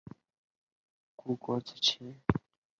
戴表元的诗作多有表现民间疾苦和怀念故国之情。